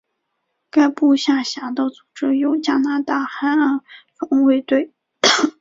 该部下辖的组织有加拿大海岸防卫队。